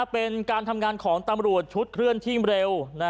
เป็นการทำงานของตำรวจชุดเคลื่อนที่เร็ว